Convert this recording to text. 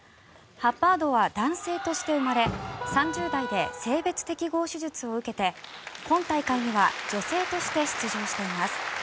ハッバードは男性として生まれ３０代で性別適合手術を受けて今大会には女性として出場しています。